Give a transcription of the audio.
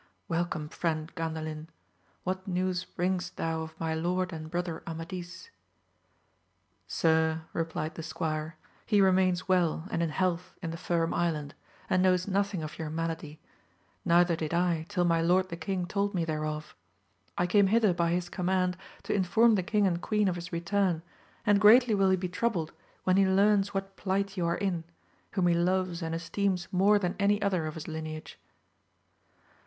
— ^Welcome friend Gandalin, what news bringest thou of my lord and brother Amadis ? Sir, replied the squire, he remains well and in health in the Firm Island, and knows nothing of your malady, neither did I till my lord the king told me thereof. I came hither by his command to inform the king and queen of his return, and greatly will he be troubled when he learns what plight you are in, whom he loves and esteems more than any other of his lineage.